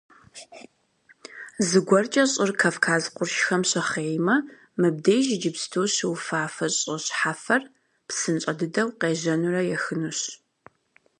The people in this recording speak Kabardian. Зыгуэркӏэ щӏыр Кавказ къуршхэм щыхъеймэ, мыбдеж иджыпсту щыуфафэ щӏы щхьэфэр псынщӏэ дыдэу къежьэнурэ ехынущ.